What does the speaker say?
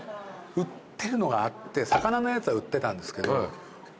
売ってるのがあって魚のやつは売ってたんですけど。